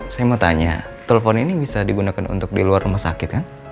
saya mau tanya telepon ini bisa digunakan untuk di luar rumah sakit kan